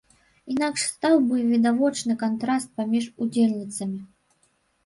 Інакш стаў бы відавочным кантраст паміж удзельніцамі.